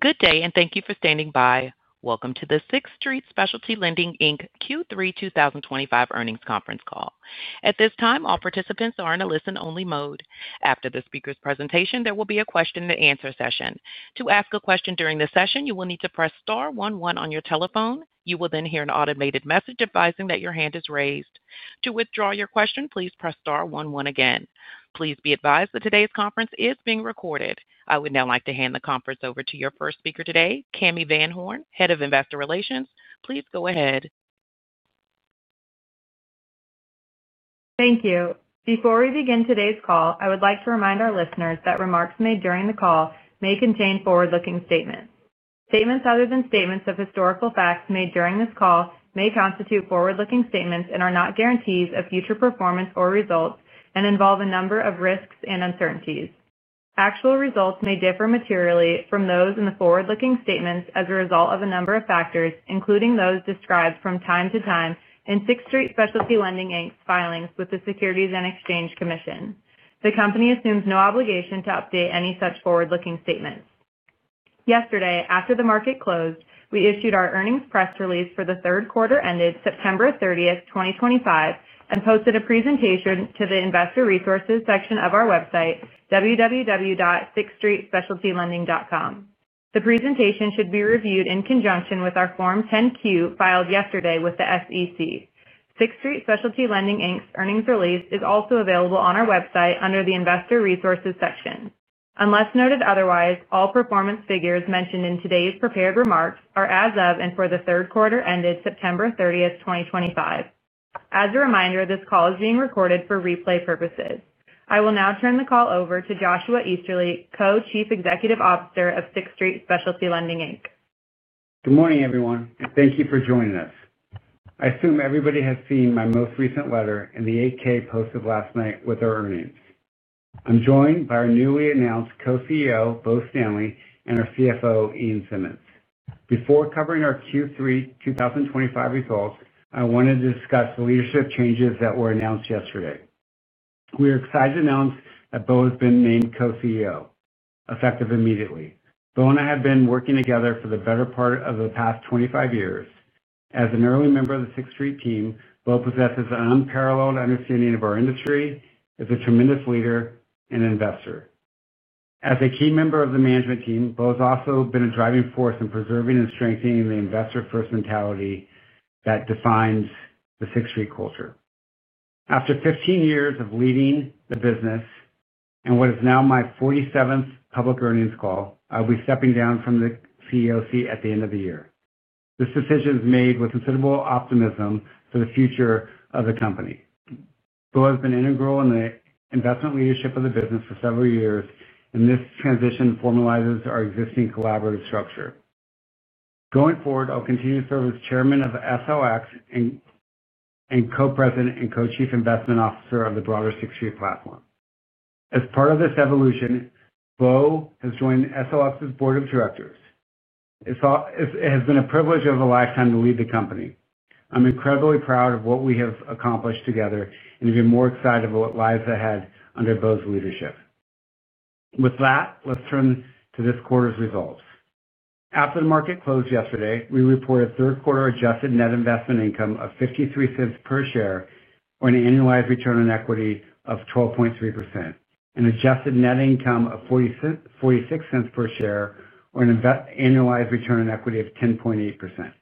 Good day, and thank you for standing by. Welcome to the Sixth Street Specialty Lending, Inc Q3 2025 earnings conference call. At this time, all participants are in a listen-only mode. After the speaker's presentation, there will be a question-and-answer session. To ask a question during the session, you will need to press star one one on your telephone. You will then hear an automated message advising that your hand is raised. To withdraw your question, please press star one one again. Please be advised that today's conference is being recorded. I would now like to hand the conference over to your first speaker today, Cami VanHorn, Head of Investor Relations. Please go ahead. Thank you. Before we begin today's call, I would like to remind our listeners that remarks made during the call may contain forward-looking statements. Statements other than statements of historical facts made during this call may constitute forward-looking statements and are not guarantees of future performance or results and involve a number of risks and uncertainties. Actual results may differ materially from those in the forward-looking statements as a result of a number of factors, including those described from time to time in Sixth Street Specialty Lending filings with the U.S. Securities and Exchange Commission. The company assumes no obligation to update any such forward-looking statements. Yesterday, after the market closed, we issued our earnings press release for the third quarter ended September 30th, 2025, and posted a presentation to the Investor Resources section of our website, www.sixthstreetspecialtylending.com. The presentation should be reviewed in conjunction with our Form 10-Q filed yesterday with the SEC. Sixth Street Specialty Lending, Inc's earnings release is also available on our website under the Investor Resources section. Unless noted otherwise, all performance figures mentioned in today's prepared remarks are as of and for the third quarter ended September 30th, 2025. As a reminder, this call is being recorded for replay purposes. I will now turn the call over to Joshua Easterly, Co-Chief Executive Officer of Sixth Street Specialty Lending, Inc. Good morning, everyone, and thank you for joining us. I assume everybody has seen my most recent letter and the 8-K posted last night with our earnings. I'm joined by our newly announced Co-CEO, Bo Stanley, and our CFO, Ian Simmonds. Before covering our Q3 2025 results, I wanted to discuss the leadership changes that were announced yesterday. We are excited to announce that Bo has been named Co-CEO, effective immediately. Bo and I have been working together for the better part of the past 25 years. As an early member of the Sixth Street team, Bo possesses an unparalleled understanding of our industry, is a tremendous leader, and an investor. As a key member of the management team, Bo has also been a driving force in preserving and strengthening the investor-first mentality that defines the Sixth Street culture. After 15 years of leading the business. What is now my 47th public earnings call, I'll be stepping down from the CEO seat at the end of the year. This decision is made with considerable optimism for the future of the company. Bo has been integral in the investment leadership of the business for several years, and this transition formalizes our existing collaborative structure. Going forward, I'll continue to serve as Chairman of SLX and Co-President and Co-Chief Investment Officer of the broader Sixth Street platform. As part of this evolution, Bo has joined SLX's Board of Directors. It has been a privilege of a lifetime to lead the company. I'm incredibly proud of what we have accomplished together and even more excited about what lies ahead under Bo's leadership. With that, let's turn to this quarter's results. After the market closed yesterday, we reported a third-quarter adjusted net investment income of $0.53 per share, or an annualized return on equity of 12.3%, an adjusted net income of $0.46 per share, or an annualized return on equity of 10.8%.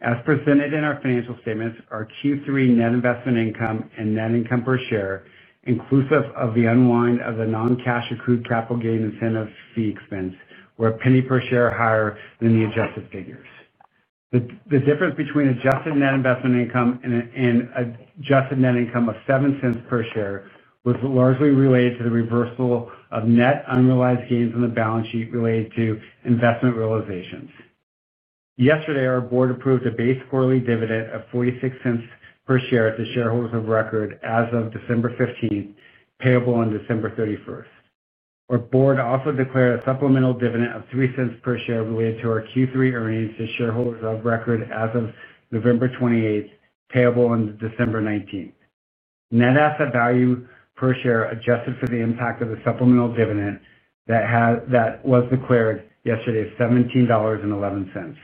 As presented in our financial statements, our Q3 net investment income and net income per share, inclusive of the unwind of the non-cash accrued capital gain incentive fee expense, were a penny per share higher than the adjusted figures. The difference between adjusted net investment income and adjusted net income of $0.07 per share was largely related to the reversal of net unrealized gains on the balance sheet related to investment realizations. Yesterday, our Board approved a base quarterly dividend of $0.46 per share to shareholders of record as of December 15th, payable on December 31st. Our Board also declared a supplemental dividend of $0.03 per share related to our Q3 earnings to shareholders of record as of November 28th, payable on December 19th. Net asset value per share adjusted for the impact of the supplemental dividend that was declared yesterday is $17.11.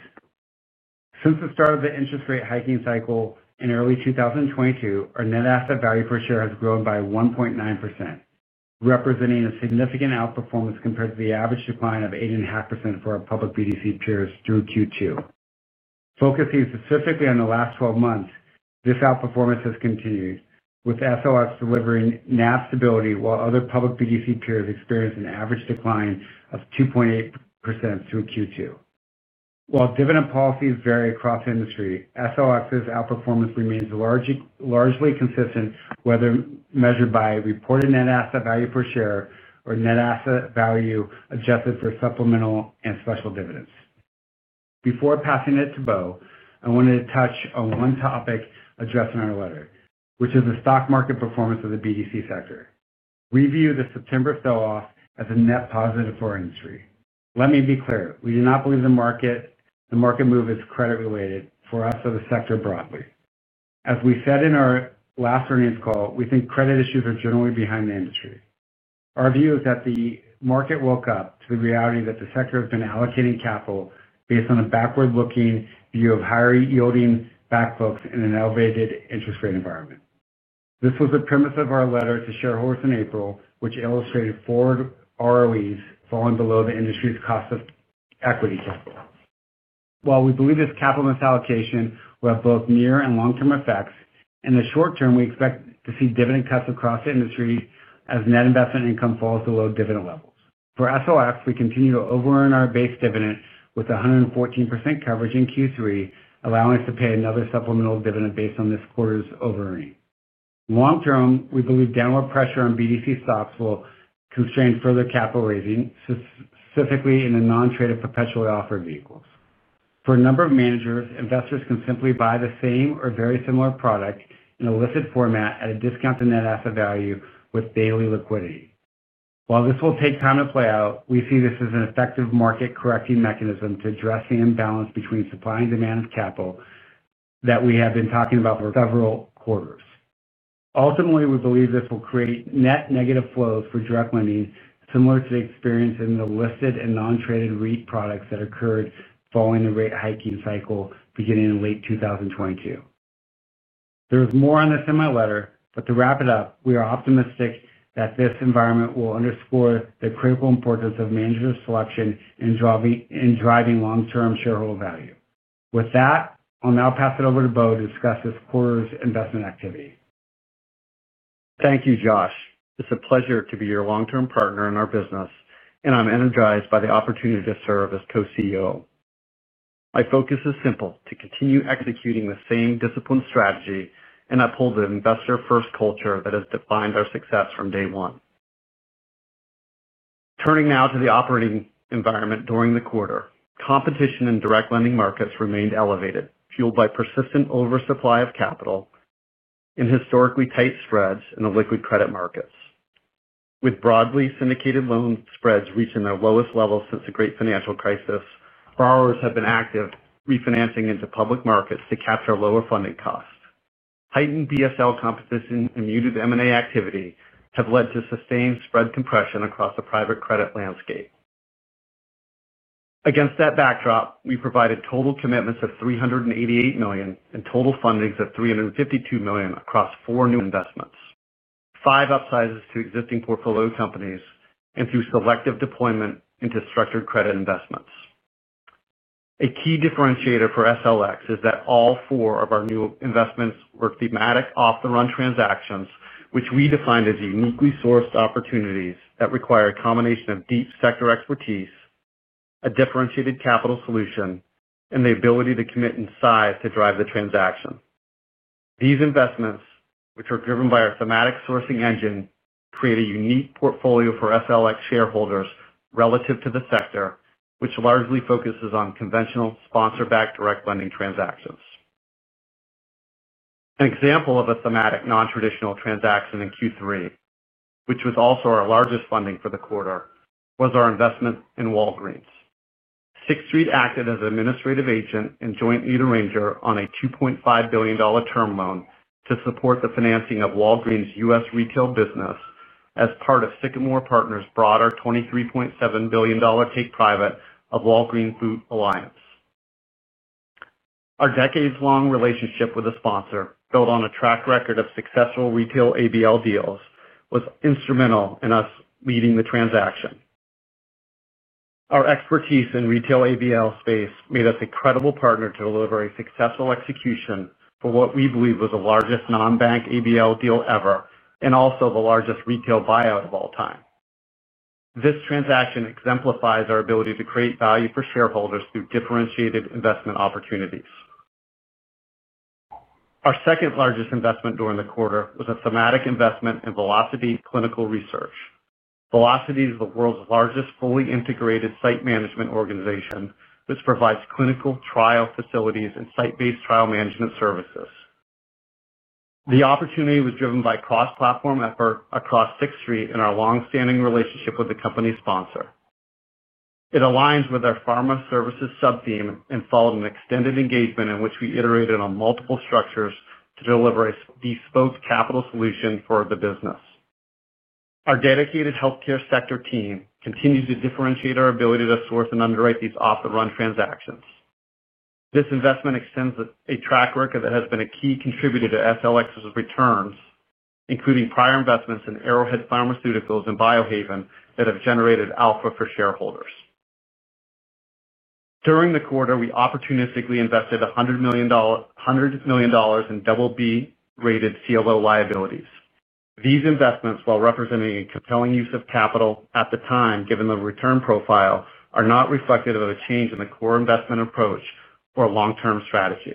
Since the start of the interest rate hiking cycle in early 2022, our net asset value per share has grown by 1.9%. Representing a significant outperformance compared to the average decline of 8.5% for our public BDC peers through Q2. Focusing specifically on the last 12 months, this outperformance has continued, with SLX delivering NAV stability while other public BDC peers experienced an average decline of 2.8% through Q2. While dividend policies vary across the industry, SLX's outperformance remains largely consistent, whether measured by reported net asset value per share or net asset value adjusted for supplemental and special dividends. Before passing it to Bo, I wanted to touch on one topic addressed in our letter, which is the stock market performance of the BDC sector. We view the September sell-off as a net positive for our industry. Let me be clear. We do not believe the market move is credit-related for us or the sector broadly. As we said in our last earnings call, we think credit issues are generally behind the industry. Our view is that the market woke up to the reality that the sector has been allocating capital based on a backward-looking view of higher-yielding backfills in an elevated interest rate environment. This was the premise of our letter to shareholders in April, which illustrated forward ROEs falling below the industry's cost of equity cap. While we believe this capital misallocation will have both near and long-term effects, in the short term, we expect to see dividend cuts across the industry as net investment income falls below dividend levels. For SLX, we continue to over-earn our base dividend with 114% coverage in Q3, allowing us to pay another supplemental dividend based on this quarter's over-earning. Long-term, we believe downward pressure on BDC stocks will constrain further capital raising, specifically in the non-traded perpetually offered vehicles. For a number of managers, investors can simply buy the same or very similar product in a listed format at a discount to net asset value with daily liquidity. While this will take time to play out, we see this as an effective market-correcting mechanism to address the imbalance between supply and demand of capital that we have been talking about for several quarters. Ultimately, we believe this will create net negative flows for direct lending, similar to the experience in the listed and non-traded REIT products that occurred following the rate hiking cycle beginning in late 2022. There is more on this in my letter, but to wrap it up, we are optimistic that this environment will underscore the critical importance of manager selection in driving long-term shareholder value. With that, I'll now pass it over to Bo to discuss this quarter's investment activity. Thank you, Josh. It's a pleasure to be your long-term partner in our business, and I'm energized by the opportunity to serve as Co-CEO. My focus is simple: to continue executing the same disciplined strategy and uphold the investor-first culture that has defined our success from day one. Turning now to the operating environment during the quarter, competition in direct lending markets remained elevated, fueled by persistent oversupply of capital. Historically tight spreads in the liquid credit markets. With broadly syndicated loan spreads reaching their lowest levels since the Great Financial Crisis, borrowers have been active refinancing into public markets to capture lower funding costs. Heightened BSL competition and muted M&A activity have led to sustained spread compression across the private credit landscape. Against that backdrop, we provided total commitments of $388 million and total fundings of $352 million across four new investments, five upsizes to existing portfolio companies, and through selective deployment into structured credit investments. A key differentiator for SLX is that all four of our new investments were thematic off-the-run transactions, which we defined as uniquely sourced opportunities that required a combination of deep sector expertise, a differentiated capital solution, and the ability to commit in size to drive the transaction. These investments, which are driven by our thematic sourcing engine, create a unique portfolio for SLX shareholders relative to the sector, which largely focuses on conventional sponsor-backed direct lending transactions. An example of a thematic non-traditional transaction in Q3, which was also our largest funding for the quarter, was our investment in Walgreens. Sixth Street acted as an administrative agent and joint lead arranger on a $2.5 billion term loan to support the financing of Walgreens' U.S. retail business as part of Sycamore Partners' broader $23.7 billion take-private of Walgreens Boots Alliance. Our decades-long relationship with the sponsor, built on a track record of successful retail ABL deals, was instrumental in us leading the transaction. Our expertise in retail ABL space made us a credible partner to deliver a successful execution for what we believe was the largest non-bank ABL deal ever and also the largest retail buyout of all time. This transaction exemplifies our ability to create value for shareholders through differentiated investment opportunities. Our second-largest investment during the quarter was a thematic investment in Velocity Clinical Research. Velocity is the world's largest fully integrated site management organization, which provides clinical trial facilities and site-based trial management services. The opportunity was driven by a cross-platform effort across Sixth Street and our long-standing relationship with the company sponsor. It aligns with our pharma services sub-theme and followed an extended engagement in which we iterated on multiple structures to deliver a bespoke capital solution for the business. Our dedicated healthcare sector team continues to differentiate our ability to source and underwrite these off-the-run transactions. This investment extends a track record that has been a key contributor to SLX's returns, including prior investments in Arrowhead Pharmaceuticals and Biohaven that have generated alpha for shareholders. During the quarter, we opportunistically invested $100 million in BB-rated CLO liabilities. These investments, while representing a compelling use of capital at the time given the return profile, are not reflective of a change in the core investment approach or long-term strategy.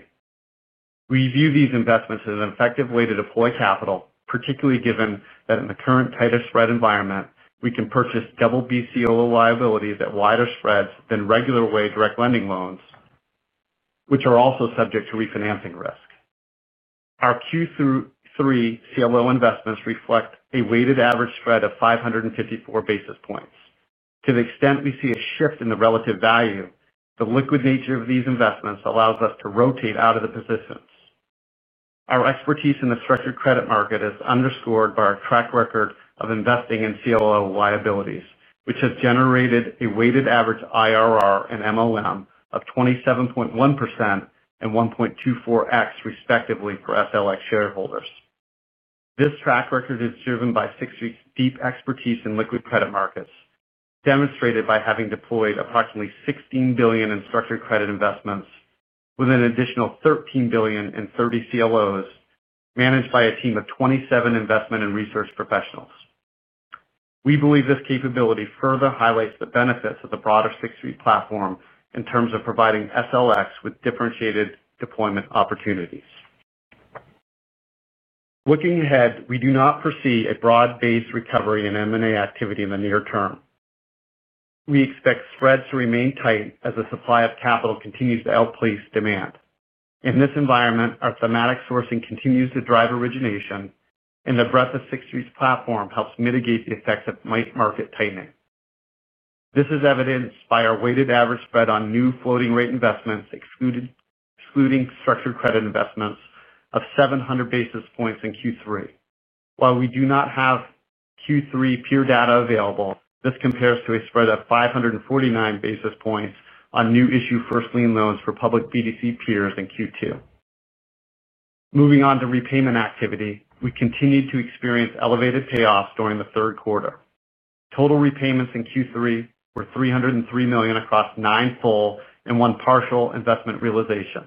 We view these investments as an effective way to deploy capital, particularly given that in the current tighter spread environment, we can purchase BB CLO liabilities at wider spreads than regular way direct lending loans, which are also subject to refinancing risk. Our Q3 CLO investments reflect a weighted average spread of 554 basis points. To the extent we see a shift in the relative value, the liquid nature of these investments allows us to rotate out of the positions. Our expertise in the structured credit market is underscored by our track record of investing in CLO liabilities, which has generated a weighted average IRR and MoM of 27.1% and 1.24x, respectively, for SLX shareholders. This track record is driven by Sixth Street's deep expertise in liquid credit markets, demonstrated by having deployed approximately $16 billion in structured credit investments with an additional $13 billion in 30 CLOs managed by a team of 27 investment and research professionals. We believe this capability further highlights the benefits of the broader Sixth Street platform in terms of providing SLX with differentiated deployment opportunities. Looking ahead, we do not foresee a broad-based recovery in M&A activity in the near term. We expect spreads to remain tight as the supply of capital continues to outpace demand. In this environment, our thematic sourcing continues to drive origination, and the breadth of Sixth Street's platform helps mitigate the effects of tight market tightening. This is evidenced by our weighted average spread on new floating-rate investments, excluding structured credit investments, of 700 basis points in Q3. While we do not have Q3 peer data available, this compares to a spread of 549 basis points on new issue first lien loans for public BDC peers in Q2. Moving on to repayment activity, we continued to experience elevated payoffs during the third quarter. Total repayments in Q3 were $303 million across nine full and one partial investment realization.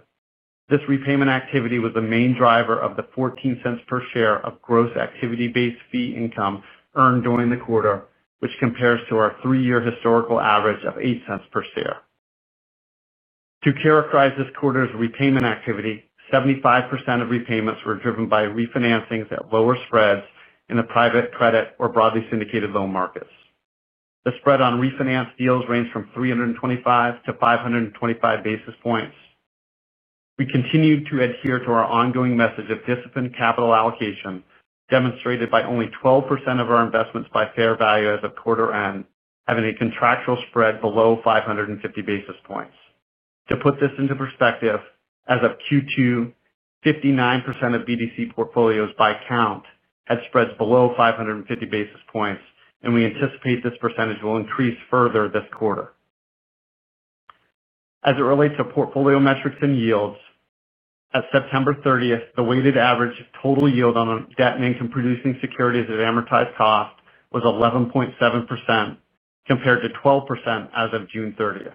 This repayment activity was the main driver of the $0.14 per share of gross activity-based fee income earned during the quarter, which compares to our three-year historical average of $0.08 per share. To characterize this quarter's repayment activity, 75% of repayments were driven by refinancings at lower spreads in the private credit or broadly syndicated loan markets. The spread on refinanced deals ranged from 325-525 basis points. We continued to adhere to our ongoing message of disciplined capital allocation, demonstrated by only 12% of our investments by fair value as of quarter end, having a contractual spread below 550 basis points. To put this into perspective, as of Q2, 59% of BDC portfolios by count had spreads below 550 basis points, and we anticipate this percentage will increase further this quarter. As it relates to portfolio metrics and yields, as of September 30th, the weighted average total yield on debt and income producing securities at amortized cost was 11.7%, compared to 12% as of June 30th.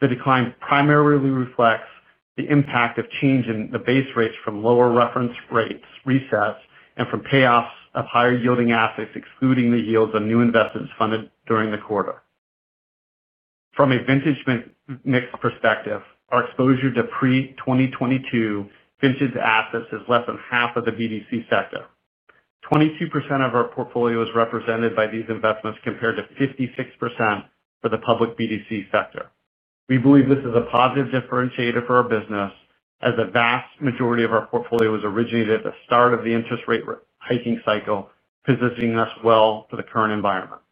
The decline primarily reflects the impact of change in the base rates from lower reference rates resets and from payoffs of higher-yielding assets, excluding the yields on new investments funded during the quarter. From a vintage mix perspective, our exposure to pre-2022 vintage assets is less than half of the BDC sector. 22% of our portfolio is represented by these investments compared to 56% for the public BDC sector. We believe this is a positive differentiator for our business, as the vast majority of our portfolio was originated at the start of the interest rate hiking cycle, positioning us well for the current environment.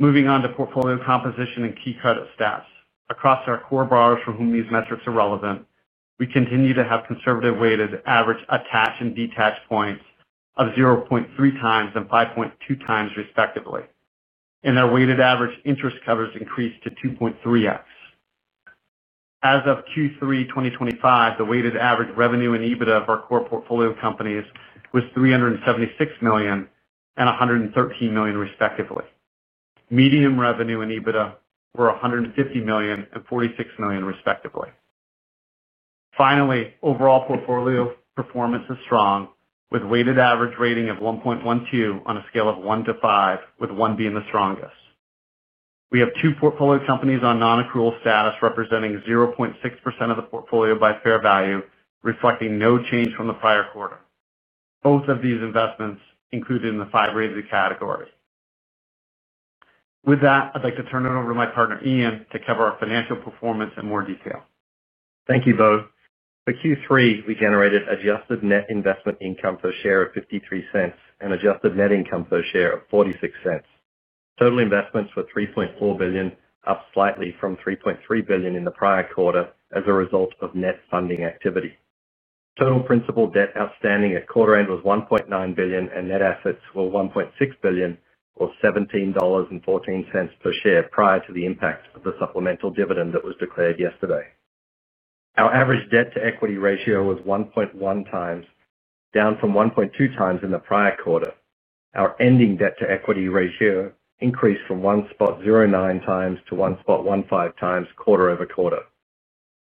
Moving on to portfolio composition and key credit stats. Across our core borrowers for whom these metrics are relevant, we continue to have conservative weighted average attach and detach points of 0.3x and 5.2x, respectively. Our weighted average interest covers increased to 2.3x. As of Q3 2025, the weighted average revenue and EBITDA of our core portfolio companies was $376 million and $113 million, respectively. Median revenue and EBITDA were $150 million and $46 million, respectively. Finally, overall portfolio performance is strong, with a weighted average rating of 1.12 on a scale of 1-5, with one being the strongest. We have two portfolio companies on non-accrual status representing 0.6% of the portfolio by fair value, reflecting no change from the prior quarter. Both of these investments included in the five rated category. With that, I'd like to turn it over to my partner, Ian, to cover our financial performance in more detail. Thank you, Bo. For Q3, we generated adjusted net investment income per share of $0.53 and adjusted net income per share of $0.46. Total investments were $3.4 billion, up slightly from $3.3 billion in the prior quarter as a result of net funding activity. Total principal debt outstanding at quarter end was $1.9 billion, and net assets were $1.6 billion, or $17.14 per share, prior to the impact of the supplemental dividend that was declared yesterday. Our average debt to equity ratio was 1.1x, down from 1.2x in the prior quarter. Our ending debt to equity ratio increased from 1.09x- 1.15x quarter-over-quarter.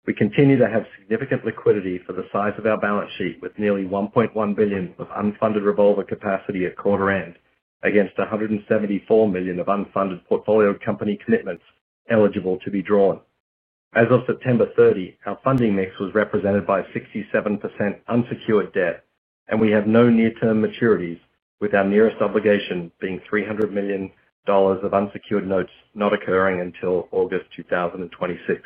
We continue to have significant liquidity for the size of our balance sheet, with nearly $1.1 billion of unfunded revolver capacity at quarter end against $174 million of unfunded portfolio company commitments eligible to be drawn. As of September 30, our funding mix was represented by 67% unsecured debt, and we have no near-term maturities, with our nearest obligation being $300 million of unsecured notes not occurring until August 2026.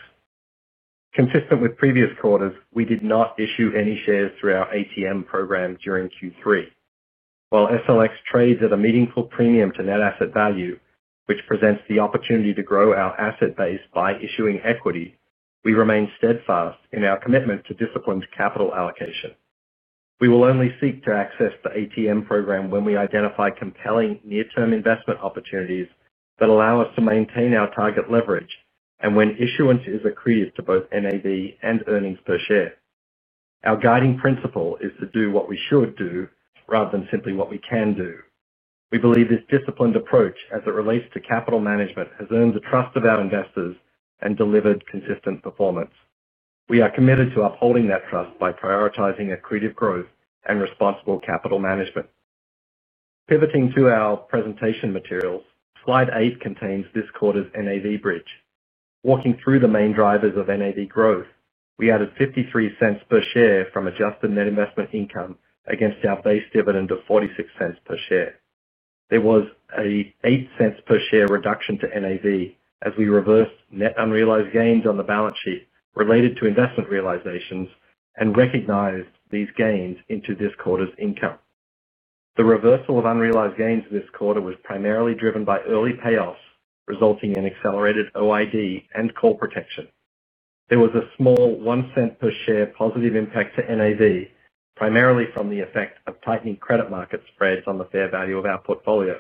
Consistent with previous quarters, we did not issue any shares through our ATM program during Q3. While SLX trades at a meaningful premium to net asset value, which presents the opportunity to grow our asset base by issuing equity, we remain steadfast in our commitment to disciplined capital allocation. We will only seek to access the ATM program when we identify compelling near-term investment opportunities that allow us to maintain our target leverage and when issuance is accretive to both NAV and earnings per share. Our guiding principle is to do what we should do rather than simply what we can do. We believe this disciplined approach as it relates to capital management has earned the trust of our investors and delivered consistent performance. We are committed to upholding that trust by prioritizing accretive growth and responsible capital management. Pivoting to our presentation materials, slide eight contains this quarter's NAV bridge. Walking through the main drivers of NAV growth, we added $0.53 per share from adjusted net investment income against our base dividend of $0.46 per share. There was an $0.08 per share reduction to NAV as we reversed net unrealized gains on the balance sheet related to investment realizations and recognized these gains into this quarter's income. The reversal of unrealized gains this quarter was primarily driven by early payoffs, resulting in accelerated OID and call protection. There was a small $0.01 per share positive impact to NAV, primarily from the effect of tightening credit market spreads on the fair value of our portfolio.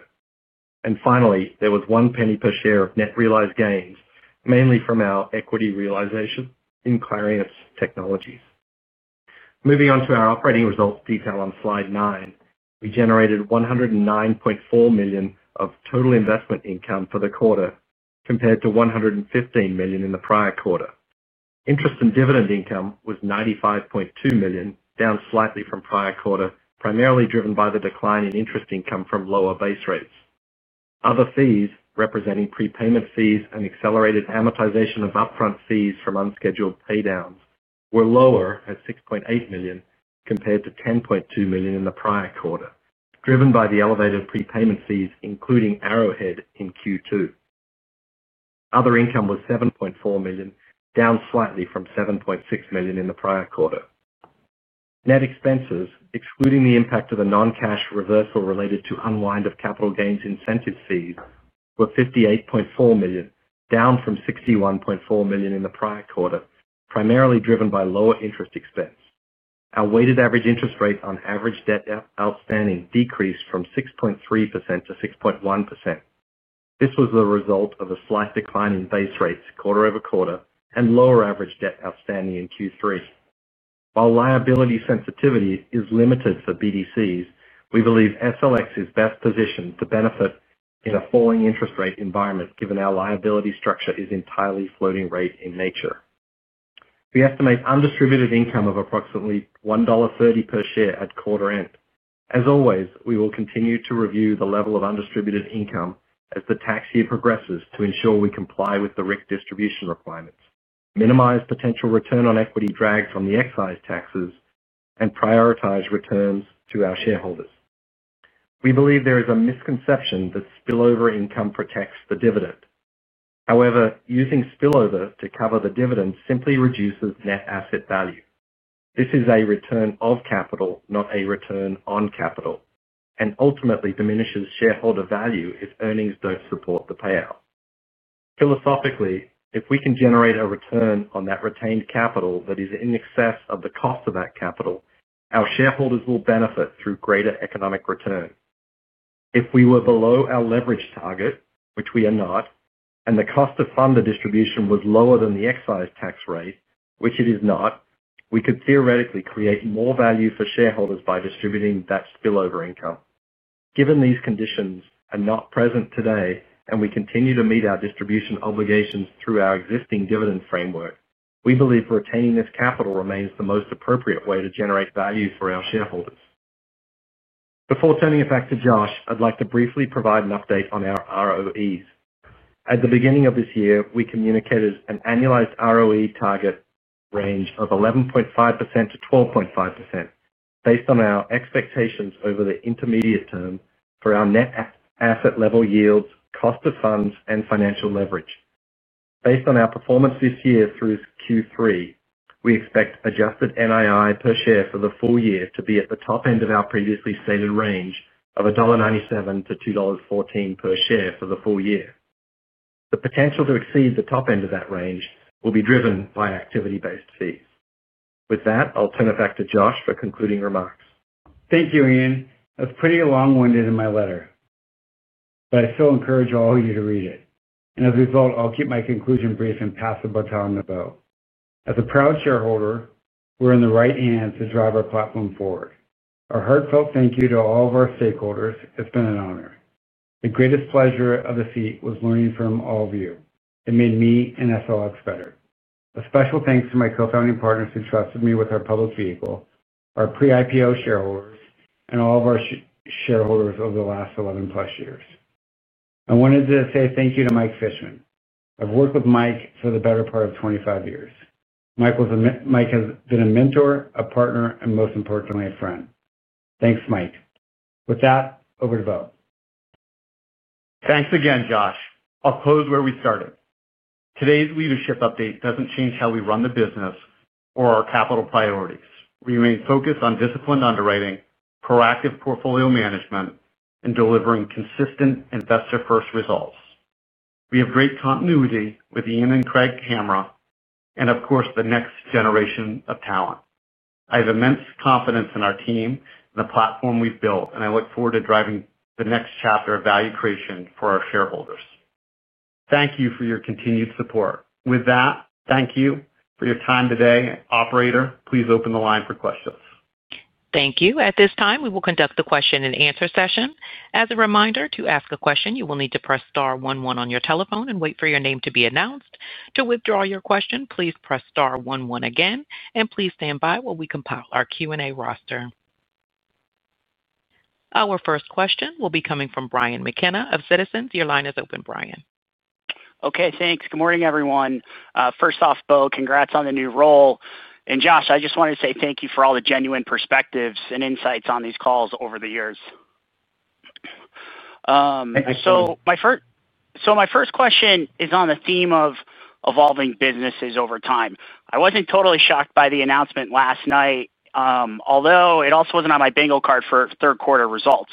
Finally, there was $0.01 per share of net realized gains, mainly from our equity realization in Clarience Technologies. Moving on to our operating results detail on slide nine, we generated $109.4 million of total investment income for the quarter compared to $115 million in the prior quarter. Interest and dividend income was $95.2 million, down slightly from prior quarter, primarily driven by the decline in interest income from lower base rates. Other fees, representing prepayment fees and accelerated amortization of upfront fees from unscheduled paydowns, were lower at $6.8 million compared to $10.2 million in the prior quarter, driven by the elevated prepayment fees, including Arrowhead in Q2. Other income was $7.4 million, down slightly from $7.6 million in the prior quarter. Net expenses, excluding the impact of the non-cash reversal related to unwind of capital gains incentive fees, were $58.4 million, down from $61.4 million in the prior quarter, primarily driven by lower interest expense. Our weighted average interest rate on average debt outstanding decreased from 6.3% to 6.1%. This was the result of a slight decline in base rates quarter-over-quarter and lower average debt outstanding in Q3. While liability sensitivity is limited for BDCs, we believe SLX is best positioned to benefit in a falling interest rate environment, given our liability structure is entirely floating rate in nature. We estimate undistributed income of approximately $1.30 per share at quarter end. As always, we will continue to review the level of undistributed income as the tax year progresses to ensure we comply with the RIC distribution requirements, minimize potential return on equity drags from the excise taxes, and prioritize returns to our shareholders. We believe there is a misconception that spillover income protects the dividend. However, using spillover to cover the dividend simply reduces net asset value. This is a return of capital, not a return on capital, and ultimately diminishes shareholder value if earnings do not support the payout. Philosophically, if we can generate a return on that retained capital that is in excess of the cost of that capital, our shareholders will benefit through greater economic return. If we were below our leverage target, which we are not, and the cost of funder distribution was lower than the excise tax rate, which it is not, we could theoretically create more value for shareholders by distributing that spillover income. Given these conditions are not present today and we continue to meet our distribution obligations through our existing dividend framework, we believe retaining this capital remains the most appropriate way to generate value for our shareholders. Before turning it back to Josh, I would like to briefly provide an update on our ROEs. At the beginning of this year, we communicated an annualized ROE target range of 11.5%-12.5% based on our expectations over the intermediate term for our net asset level yields, cost of funds, and financial leverage. Based on our performance this year through Q3, we expect adjusted NII per share for the full year to be at the top end of our previously stated range of $1.97-$2.14 per share for the full year. The potential to exceed the top end of that range will be driven by activity-based fees. With that, I'll turn it back to Josh for concluding remarks. Thank you, Ian. That is pretty long-winded in my letter. I still encourage all of you to read it. As a result, I will keep my conclusion brief and pass it by time to Bo. As a proud shareholder, we are in the right hands to drive our platform forward. A heartfelt thank you to all of our stakeholders. It has been an honor. The greatest pleasure of the seat was learning from all of you. It made me and SLX better. A special thanks to my co-founding partners who trusted me with our public vehicle, our pre-IPO shareholders, and all of our shareholders over the last 11+ years. I wanted to say thank you to Mike Fishman. I have worked with Mike for the better part of 25 years. Mike has been a mentor, a partner, and most importantly, a friend. Thanks, Mike. With that, over to Bo. Thanks again, Josh. I'll close where we started. Today's leadership update doesn't change how we run the business or our capital priorities. We remain focused on disciplined underwriting, proactive portfolio management, and delivering consistent investor-first results. We have great continuity with Ian and Craig Hamrah, and of course, the next generation of talent. I have immense confidence in our team and the platform we've built, and I look forward to driving the next chapter of value creation for our shareholders. Thank you for your continued support. With that, thank you for your time today. Operator, please open the line for questions. Thank you. At this time, we will conduct the question-and-answer session. As a reminder, to ask a question, you will need to press star one one on your telephone and wait for your name to be announced. To withdraw your question, please press star one one again, and please stand by while we compile our Q&A roster. Our first question will be coming from Brian McKenna of Citizens. Your line is open, Brian. Okay. Thanks. Good morning, everyone. First off, Bo, congrats on the new role. Josh, I just wanted to say thank you for all the genuine perspectives and insights on these calls over the years. Thank you. My first question is on the theme of evolving businesses over time. I was not totally shocked by the announcement last night, although it also was not on my bingo card for third-quarter results.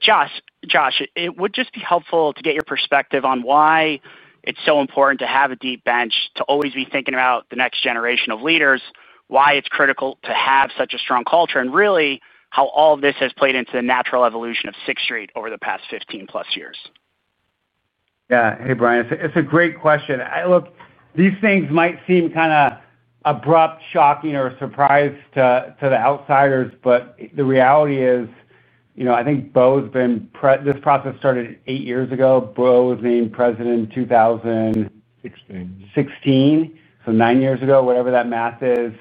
Josh, it would just be helpful to get your perspective on why it is so important to have a deep bench, to always be thinking about the next generation of leaders, why it is critical to have such a strong culture, and really how all of this has played into the natural evolution of Sixth Street over the past 15+ years. Yeah. Hey, Brian. It's a great question. Look, these things might seem kind of abrupt, shocking, or a surprise to the outsiders, but the reality is I think Bo's been—this process started eight years ago. Bo was named president in 2016. So nine years ago, whatever that math is.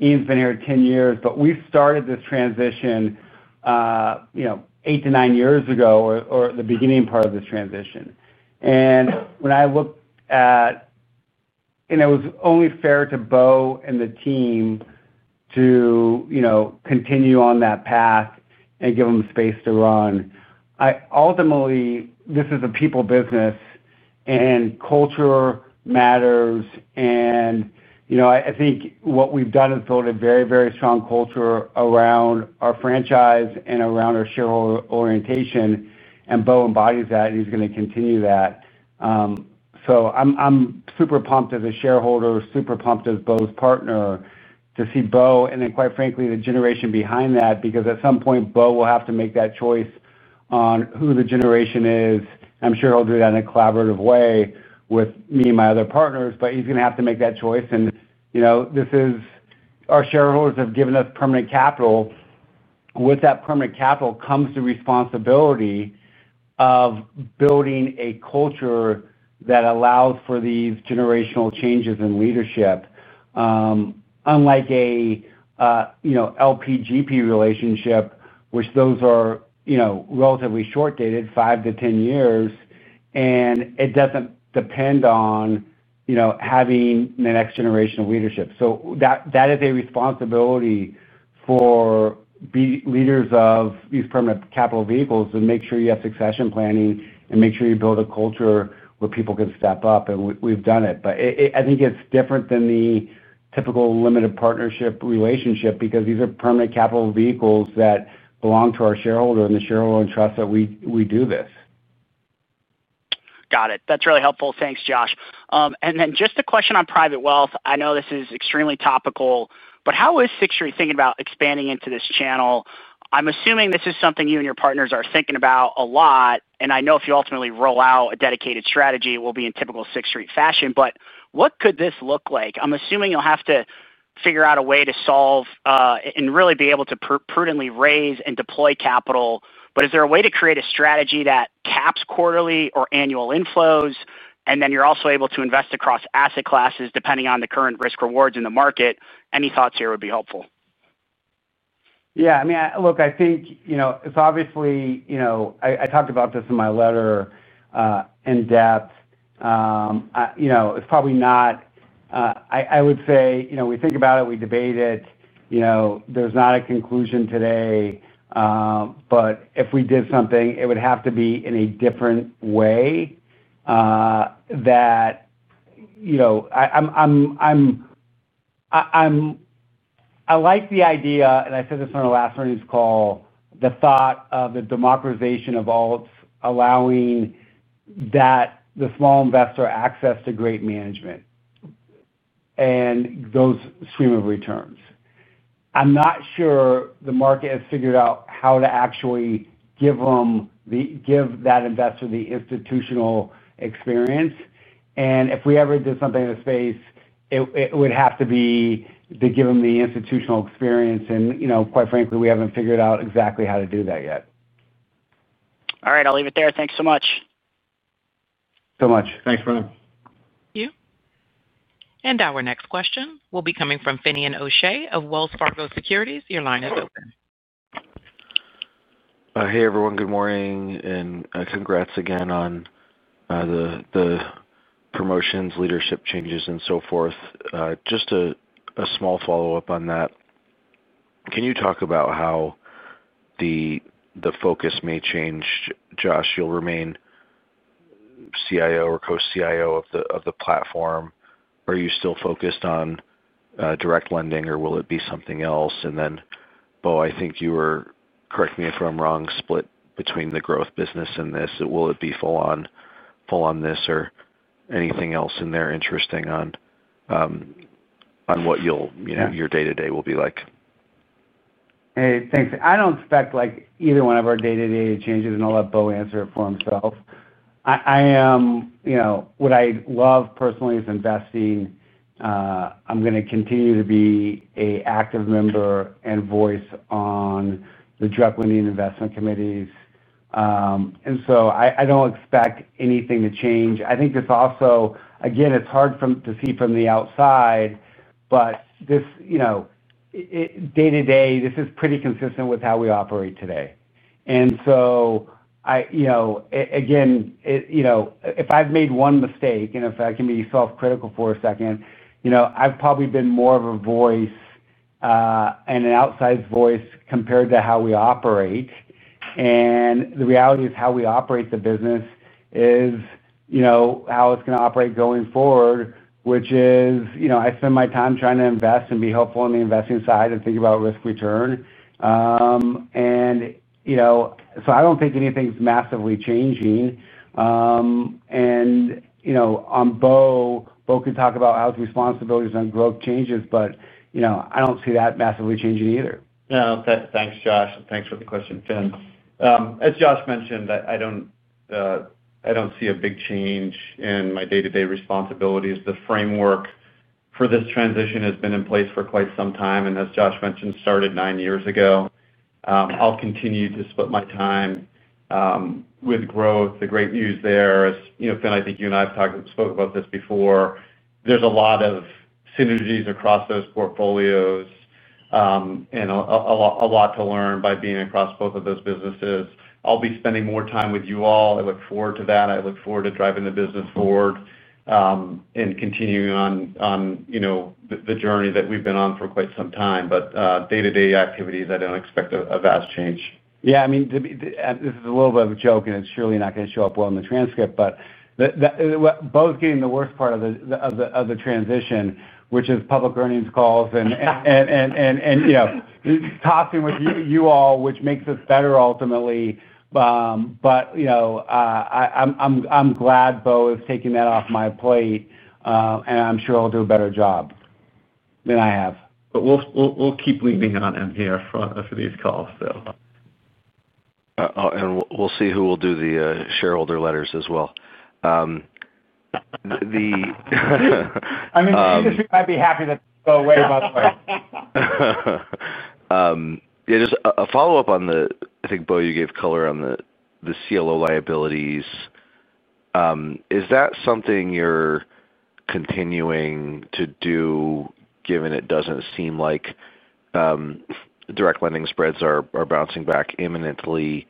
Ian's been here 10 years. We started this transition eight to nine years ago or the beginning part of this transition. When I looked at—and it was only fair to Bo and the team to continue on that path and give them space to run. Ultimately, this is a people business. Culture matters. I think what we've done is build a very, very strong culture around our franchise and around our shareholder orientation. Bo embodies that, and he's going to continue that. I'm super pumped as a shareholder, super pumped as Bo's partner to see Bo and then, quite frankly, the generation behind that, because at some point, Bo will have to make that choice on who the generation is. I'm sure he'll do that in a collaborative way with me and my other partners, but he's going to have to make that choice. Our shareholders have given us permanent capital. With that permanent capital comes the responsibility of building a culture that allows for these generational changes in leadership. Unlike an LPGP relationship, which those are relatively short-dated, 5-10 years, and it doesn't depend on having the next generation of leadership. That is a responsibility for leaders of these permanent capital vehicles to make sure you have succession planning and make sure you build a culture where people can step up. We've done it. I think it's different than the typical limited partnership relationship because these are permanent capital vehicles that belong to our shareholder and the shareholder entrust that we do this. Got it. That's really helpful. Thanks, Josh. Just a question on private wealth. I know this is extremely topical, but how is Sixth Street thinking about expanding into this channel? I'm assuming this is something you and your partners are thinking about a lot. I know if you ultimately roll out a dedicated strategy, it will be in typical Sixth Street fashion. What could this look like? I'm assuming you'll have to figure out a way to solve and really be able to prudently raise and deploy capital. Is there a way to create a strategy that caps quarterly or annual inflows, and then you're also able to invest across asset classes depending on the current risk-rewards in the market? Any thoughts here would be helpful. Yeah. I mean, look, I think it's obviously—I talked about this in my letter. In depth. It's probably not—I would say we think about it, we debate it. There's not a conclusion today. If we did something, it would have to be in a different way. That. I like the idea—and I said this on our last earnings call—the thought of the democratization of alts, allowing. The small investor access to great management. And those stream of returns. I'm not sure the market has figured out how to actually give that investor the institutional experience. If we ever did something in this space. It would have to be to give them the institutional experience. Quite frankly, we haven't figured out exactly how to do that yet. All right. I'll leave it there. Thanks so much. So much. Thanks, Brian. Thank you. Our next question will be coming from Finian O'Shea of Wells Fargo Securities. Your line is open. Hey, everyone. Good morning. And congrats again on the promotions, leadership changes, and so forth. Just a small follow-up on that. Can you talk about how the focus may change? Josh, you'll remain CIO or co-CIO of the platform. Are you still focused on direct lending, or will it be something else? And then, Bo, I think you were—correct me if I'm wrong—split between the growth business and this. Will it be full on this or anything else in there interesting on what your day-to-day will be like? Hey, thanks. I do not expect either one of our day-to-day changes, and I will let Bo answer it for himself. What I love personally is investing. I am going to continue to be an active member and voice on the direct lending investment committees. I do not expect anything to change. I think it is also, again, it is hard to see from the outside, but day-to-day, this is pretty consistent with how we operate today. Again, if I have made one mistake, and if I can be self-critical for a second, I have probably been more of a voice and an outside voice compared to how we operate. The reality is how we operate the business is how it is going to operate going forward, which is I spend my time trying to invest and be helpful on the investing side and think about risk-return. I do not think anything is massively changing. On Bo, Bo can talk about how his responsibilities on growth changes, but I do not see that massively changing either. No, thanks, Josh. Thanks for the question, Fin. As Josh mentioned, I do not see a big change in my day-to-day responsibilities. The framework for this transition has been in place for quite some time. As Josh mentioned, it started nine years ago. I'll continue to split my time. With growth, the great news there is, Fin, I think you and I have spoken about this before. There are a lot of synergies across those portfolios and a lot to learn by being across both of those businesses. I'll be spending more time with you all. I look forward to that. I look forward to driving the business forward and continuing on the journey that we've been on for quite some time. Day-to-day activities, I do not expect a vast change. Yeah. I mean, this is a little bit of a joke, and it's surely not going to show up well in the transcript, but both getting the worst part of the transition, which is public earnings calls and tossing with you all, which makes us better ultimately. I am glad Bo is taking that off my plate, and I am sure he'll do a better job than I have. We will keep leaning on him here for these calls, though. We will see who will do the shareholder letters as well. I mean, the industry might be happy that Bo went about the way. Yeah. Just a follow-up on the—I think, Bo, you gave color on the CLO liabilities. Is that something you're continuing to do? Given it doesn't seem like direct lending spreads are bouncing back imminently?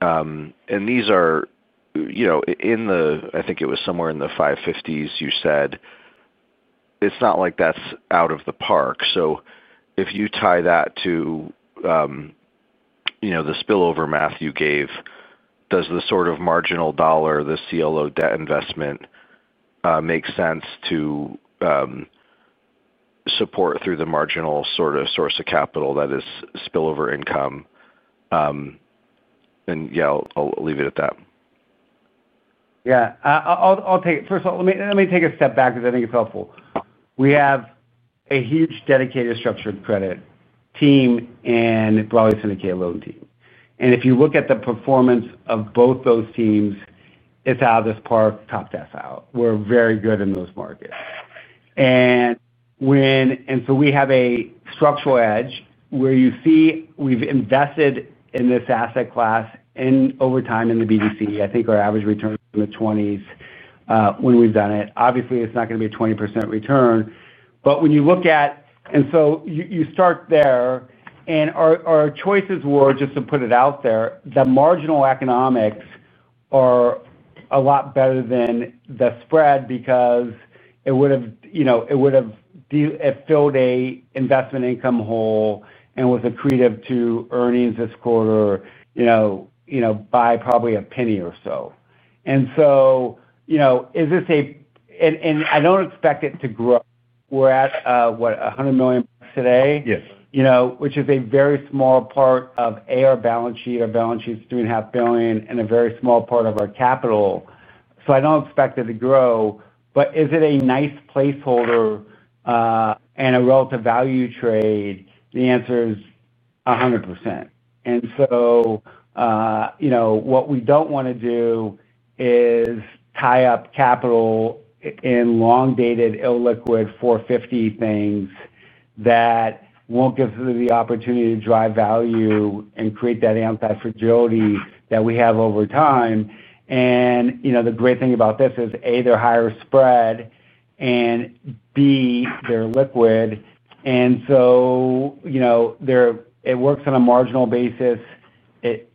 And these are in the—I think it was somewhere in the 550s, you said. It's not like that's out of the park. If you tie that to the spillover math you gave, does the sort of marginal dollar, the CLO debt investment, make sense to support through the marginal sort of source of capital that is spillover income? Yeah, I'll leave it at that. Yeah. I'll take it. First of all, let me take a step back because I think it's helpful. We have a huge dedicated structured credit team and broadly syndicated loan team. If you look at the performance of both those teams, it's out of this park, top-dash out. We're very good in those markets. We have a structural edge where you see we've invested in this asset class over time in the BDC. I think our average return is in the 20s when we've done it. Obviously, it's not going to be a 20% return. When you look at—and you start there. Our choices were, just to put it out there, the marginal economics are a lot better than the spread because it would have filled an investment income hole and was accretive to earnings this quarter by probably a penny or so. Is this a—I do not expect it to grow. We are at, what, $100 million today? Yes. Which is a very small part of our balance sheet. Our balance sheet is $3.5 billion and a very small part of our capital. I do not expect it to grow. Is it a nice placeholder and a relative value trade? The answer is 100%. What we do not want to do is tie up capital in long-dated, illiquid, 450 things that will not give us the opportunity to drive value and create that anti-fragility that we have over time. The great thing about this is, A, they are higher spread, and B, they are liquid. It works on a marginal basis. It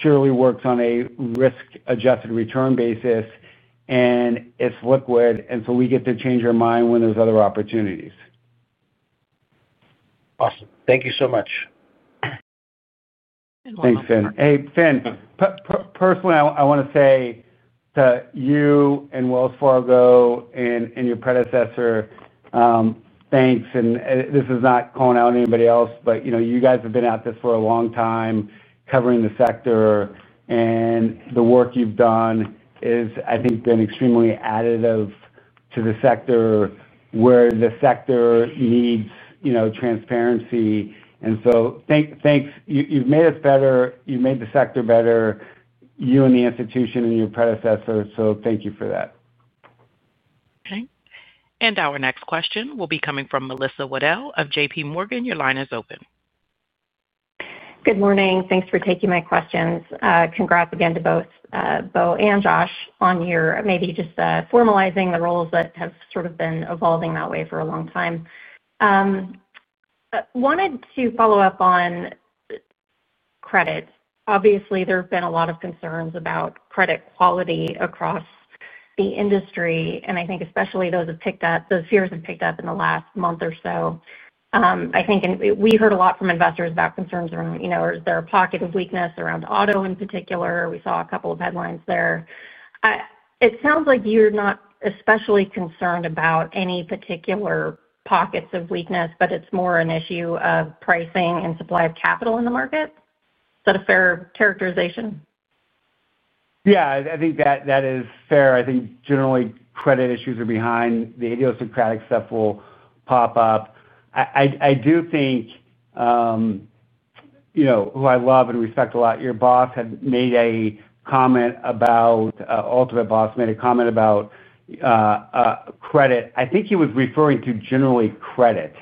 surely works on a risk-adjusted return basis. It is liquid, and we get to change our mind when there are other opportunities. Awesome. Thank you so much. Thanks, Fin. Hey, Fin. Personally, I want to say to you and Wells Fargo and your predecessor, thanks. This is not calling out anybody else, but you guys have been at this for a long time covering the sector. The work you have done is, I think, been extremely additive to the sector where the sector needs transparency. Thanks. You have made us better. You have made the sector better, you and the institution and your predecessor. Thank you for that. Okay. Our next question will be coming from Melissa Wedel of JPMorgan. Your line is open. Good morning. Thanks for taking my questions. Congrats again to both Bo and Josh on maybe just formalizing the roles that have sort of been evolving that way for a long time. I wanted to follow up on credit. Obviously, there have been a lot of concerns about credit quality across the industry. I think especially those fears have picked up in the last month or so. I think we heard a lot from investors about concerns around, is there a pocket of weakness around auto in particular? We saw a couple of headlines there. It sounds like you're not especially concerned about any particular pockets of weakness, but it's more an issue of pricing and supply of capital in the market. Is that a fair characterization? Yeah. I think that is fair. I think generally credit issues are behind. The idiosyncratic stuff will pop up. I do think. Who I love and respect a lot, your boss had made a comment about— Ultimate boss made a comment about. Credit. I think he was referring to generally credit.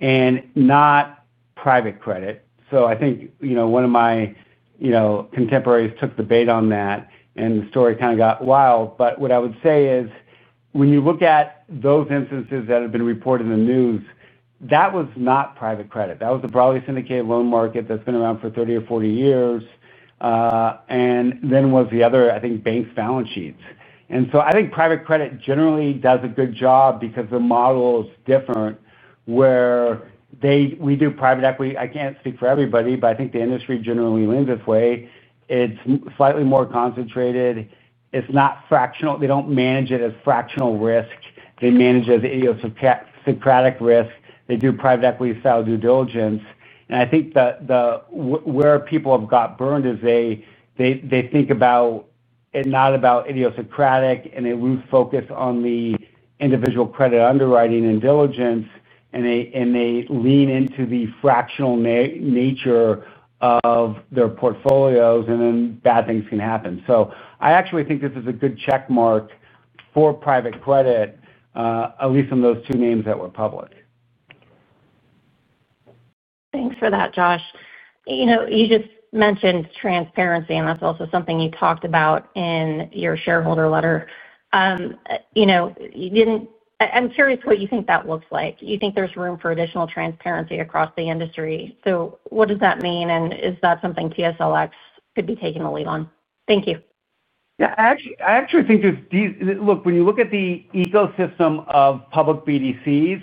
And not private credit. I think one of my contemporaries took the bait on that, and the story kind of got wild. What I would say is when you look at those instances that have been reported in the news, that was not private credit. That was the broadly syndicated loan market that's been around for 30 or 40 years. Then was the other, I think, banks' balance sheets. I think private credit generally does a good job because the model is different. Where we do private equity—I can't speak for everybody, but I think the industry generally leans this way. It's slightly more concentrated. It's not fractional. They don't manage it as fractional risk. They manage it as idiosyncratic risk. They do private equity-style due diligence. I think where people have got burned is they think about it not about idiosyncratic and a loose focus on the individual credit underwriting and diligence, and they lean into the fractional nature of their portfolios, and then bad things can happen. I actually think this is a good check mark for private credit, at least in those two names that were public. Thanks for that, Josh. You just mentioned transparency, and that's also something you talked about in your shareholder letter. I'm curious what you think that looks like. You think there's room for additional transparency across the industry. What does that mean? Is that something TSLX could be taking the lead on? Thank you. Yeah. I actually think there's—look, when you look at the ecosystem of public BDCs,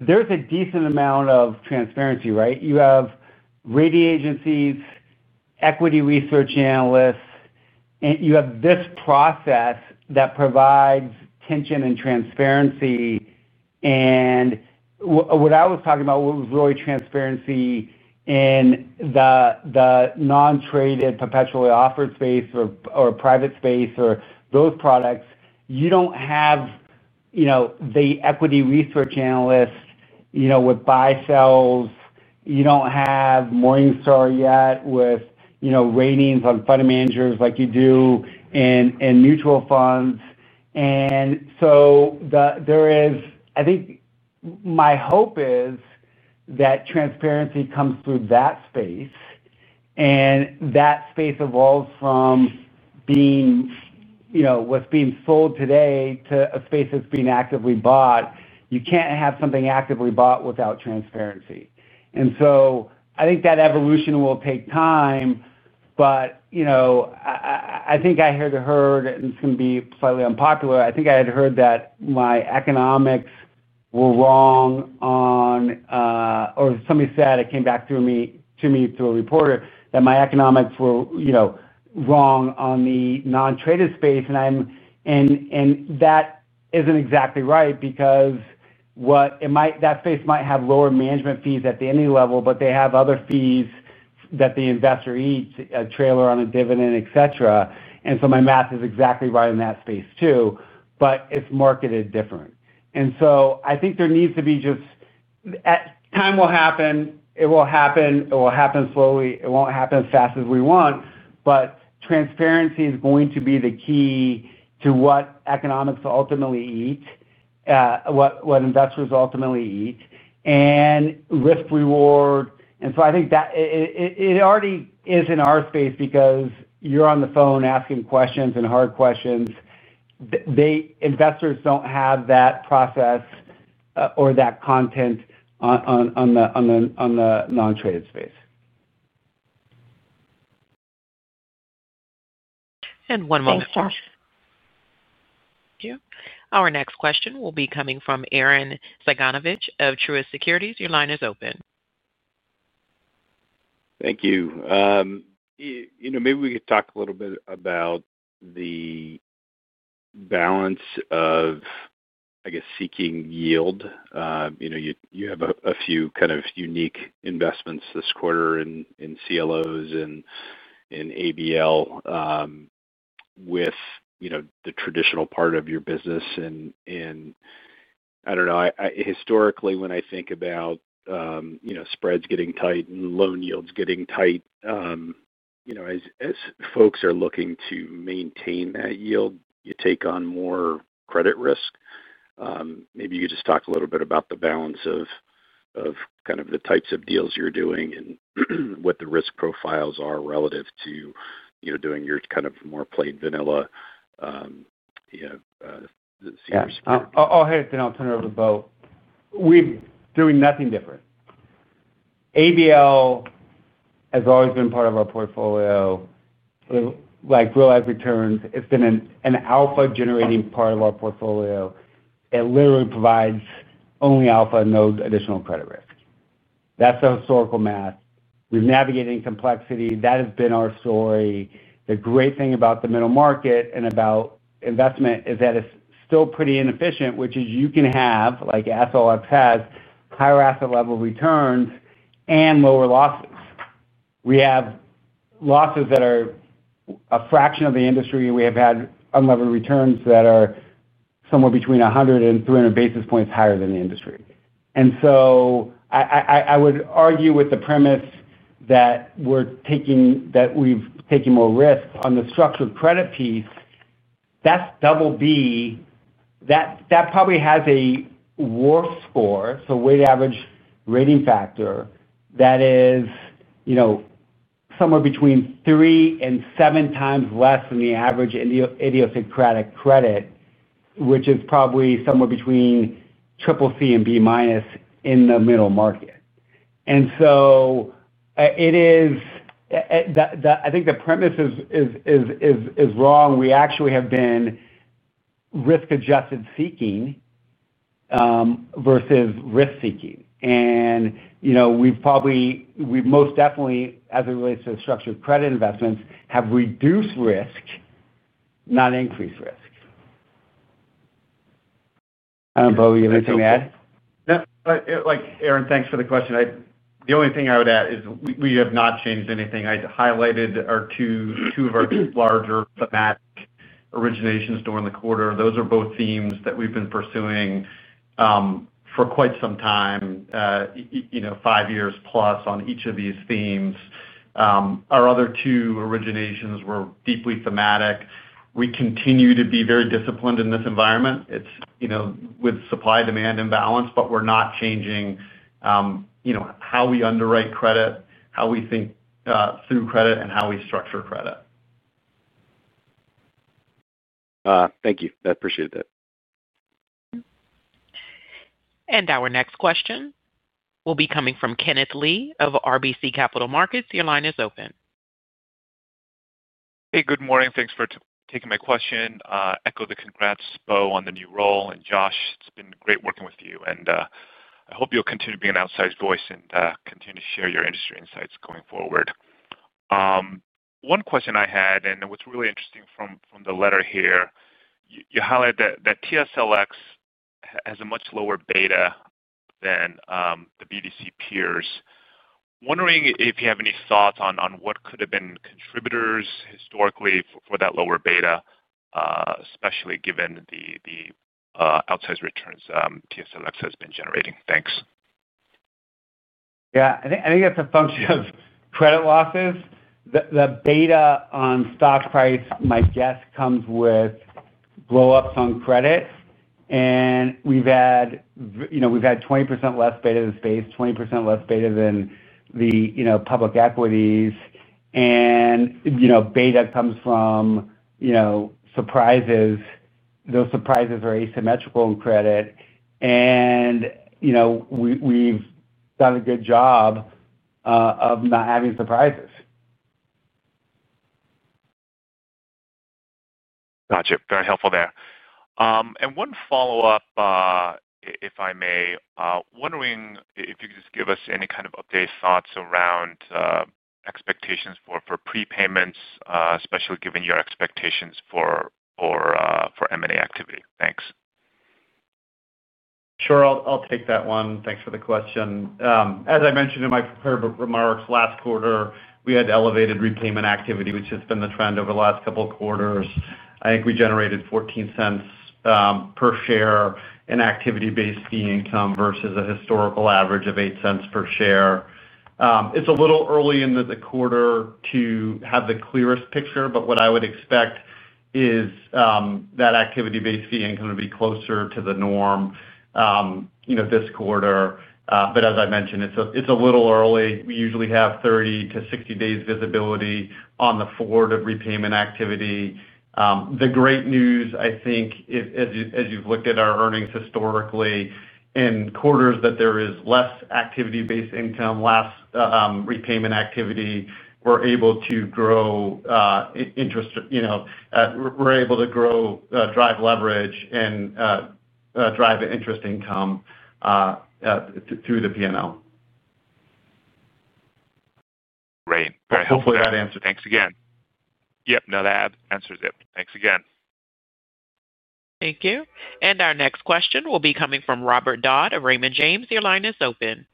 there's a decent amount of transparency, right? You have rating agencies. Equity research analysts. You have this process that provides tension and transparency. What I was talking about was really transparency in the non-traded perpetually offered space or private space or those products, you don't have the equity research analyst with buy-sells. You don't have Morningstar yet with ratings on fund managers like you do in mutual funds. I think my hope is that transparency comes through that space and that space evolves from being what's being sold today to a space that's being actively bought. You can't have something actively bought without transparency. I think that evolution will take time, but I think I had heard it's going to be slightly unpopular. I think I had heard that my economics were wrong on—or somebody said it came back to me through a reporter that my economics were wrong on the non-traded space. That isn't exactly right because that space might have lower management fees at the entity level, but they have other fees that the investor eats, a trailer on a dividend, etc. My math is exactly right in that space too, but it's marketed different. I think there needs to be just—time will happen. It will happen. It will happen slowly. It won't happen as fast as we want. Transparency is going to be the key to what economics ultimately eat, what investors ultimately eat, and risk-reward. I think that it already is in our space because you're on the phone asking questions and hard questions. Investors don't have that process. Or that content. On the non-traded space. One moment. Josh. Thank you. Our next question will be coming from Arren Cyganovich of Truist Securities. Your line is open. Thank you. Maybe we could talk a little bit about the balance of, I guess, seeking yield. You have a few kind of unique investments this quarter in CLOs and ABL with the traditional part of your business. I don't know, historically, when I think about spreads getting tight and loan yields getting tight, as folks are looking to maintain that yield, you take on more credit risk. Maybe you could just talk a little bit about the balance of kind of the types of deals you're doing and what the risk profiles are relative to doing your kind of more plain vanilla. I'll hit it, then I'll turn it over to Bo. We're doing nothing different. ABL has always been part of our portfolio. Like real-life returns, it's been an alpha-generating part of our portfolio. It literally provides only alpha and no additional credit risk. That's the historical math. We've navigated complexity. That has been our story. The great thing about the middle market and about investment is that it's still pretty inefficient, which is you can have, like SLX has, higher asset-level returns and lower losses. We have losses that are a fraction of the industry. We have had unlevered returns that are somewhere between 100 and 300 basis points higher than the industry. I would argue with the premise that we're taking more risk. On the structured credit piece, that's BB. That probably has a WARF score, so weighted average rating factor, that is. Somewhere between three and seven times less than the average idiosyncratic credit, which is probably somewhere between CCC and B- in the middle market. I think the premise is wrong. We actually have been risk-adjusted seeking versus risk-seeking. We have probably, most definitely as it relates to structured credit investments, reduced risk, not increased risk. I do not know if I am probably anything to add. Arren, thanks for the question. The only thing I would add is we have not changed anything. I highlighted our two of our two larger thematic originations during the quarter. Those are both themes that we have been pursuing for quite some time. Five years plus on each of these themes. Our other two originations were deeply thematic. We continue to be very disciplined in this environment. It is with supply-demand imbalance, but we are not changing how we underwrite credit, how we think through credit, and how we structure credit. Thank you. I appreciate that. Our next question will be coming from Kenneth Lee of RBC Capital Markets. Your line is open. Hey, good morning. Thanks for taking my question. Echo the congrats to Bo on the new role. Josh, it's been great working with you. I hope you'll continue to be an outsized voice and continue to share your industry insights going forward. One question I had, and what's really interesting from the letter here, you highlight that TSLX has a much lower beta than the BDC peers. Wondering if you have any thoughts on what could have been contributors historically for that lower beta, especially given the outsized returns TSLX has been generating. Thanks. Yeah. I think that's a function of credit losses. The beta on stock price, my guess, comes with blow-ups on credit. And we've had 20% less beta than space, 20% less beta than the public equities. Beta comes from surprises. Those surprises are asymmetrical in credit. And we've done a good job of not having surprises. Gotcha. Very helpful there. One follow-up, if I may, wondering if you could just give us any kind of updated thoughts around expectations for prepayments, especially given your expectations for M&A activity. Thanks. Sure. I'll take that one. Thanks for the question. As I mentioned in my prepared remarks, last quarter, we had elevated repayment activity, which has been the trend over the last couple of quarters. I think we generated $0.14 per share in activity-based fee income versus a historical average of $0.08 per share. It's a little early in the quarter to have the clearest picture, but what I would expect is that activity-based fee income to be closer to the norm this quarter. As I mentioned, it's a little early. We usually have 30-60 days visibility on the forward of repayment activity. The great news, I think, as you've looked at our earnings historically, in quarters that there is less activity-based income, less repayment activity, we're able to grow interest. We're able to drive leverage and drive interest income through the P&L. Great. Very helpful. Hopefully, that answered it. Thanks again. Yep. No, that answers it. Thanks again. Thank you. Our next question will be coming from Robert Dodd of Raymond James. Your line is open.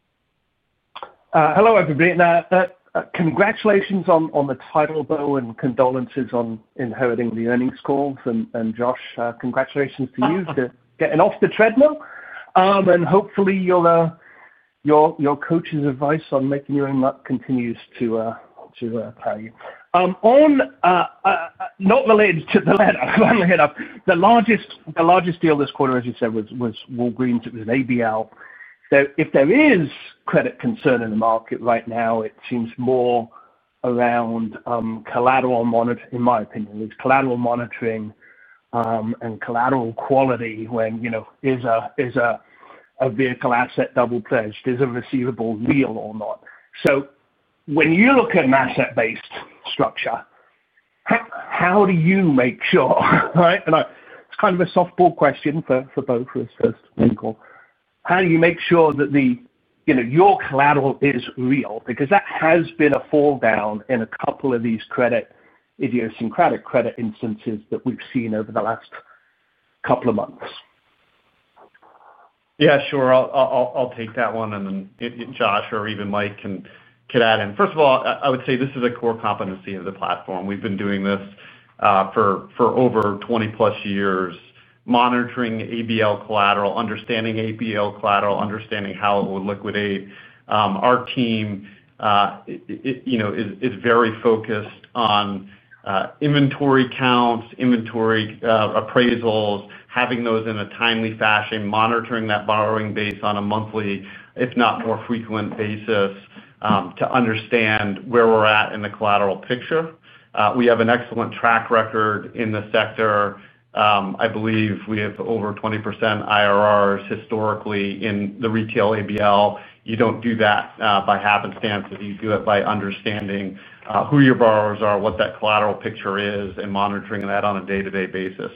Hello, everybody. Congratulations on the title, Bo, and condolences on inheriting the earnings call. And Josh, congratulations to you for getting off the treadmill. Hopefully your coach's advice on making your own luck continues to tell you. Not related to the letter, but the largest deal this quarter, as you said, was Walgreens. It was an ABL. If there is credit concern in the market right now, it seems more around collateral monitoring, in my opinion, at least collateral monitoring and collateral quality. When is a vehicle asset double-pledged? Is a receivable real or not? When you look at an asset-based structure, how do you make sure? It is kind of a softball question for both of us, first and second call. How do you make sure that your collateral is real? Because that has been a fall down in a couple of these idiosyncratic credit instances that we've seen over the last couple of months. Yeah, sure. I'll take that one. Josh or even Mike can add in. First of all, I would say this is a core competency of the platform. We've been doing this for over 20+years, monitoring ABL collateral, understanding ABL collateral, understanding how it will liquidate. Our team is very focused on inventory counts, inventory appraisals, having those in a timely fashion, monitoring that borrowing base on a monthly, if not more frequent basis, to understand where we're at in the collateral picture. We have an excellent track record in the sector. I believe we have over 20% IRRs historically in the retail ABL. You don't do that by happenstance. You do it by understanding who your borrowers are, what that collateral picture is, and monitoring that on a day-to-day basis.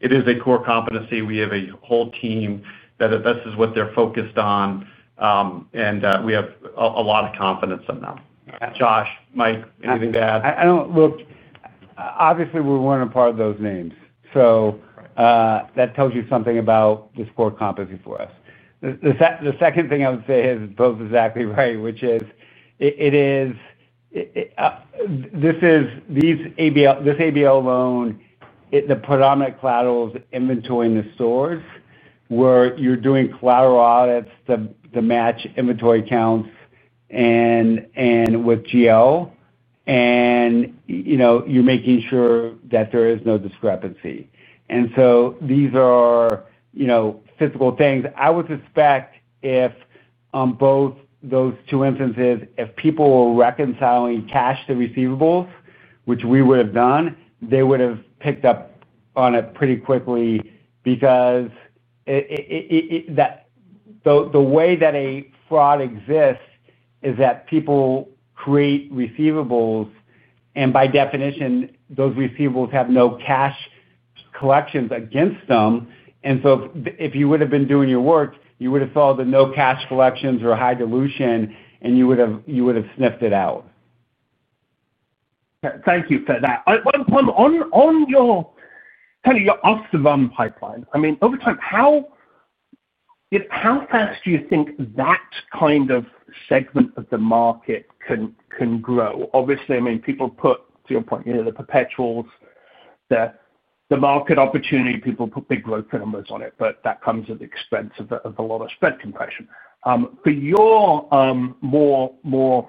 It is a core competency. We have a whole team that this is what they're focused on. We have a lot of confidence in them. Josh, Mike, anything to add? Look. Obviously, we're one of the part of those names. That tells you something about this core competency for us. The second thing I would say is Bo's exactly right, which is this ABL loan, the predominant collaterals. Inventory in the stores where you're doing collateral audits, the match inventory counts, and with GL. You're making sure that there is no discrepancy. These are physical things. I would suspect if, on both those two instances, if people were reconciling cash to receivables, which we would have done, they would have picked up on it pretty quickly because the way that a fraud exists is that people create receivables, and by definition, those receivables have no cash collections against them. If you would have been doing your work, you would have saw the no cash collections or high dilution, and you would have sniffed it out. Thank you for that. On kind of your off-the-bump pipeline, I mean, over time, how fast do you think that kind of segment of the market can grow? Obviously, I mean, people put, to your point, the perpetuals, the market opportunity. People put big growth numbers on it, but that comes at the expense of a lot of spread compression. For your more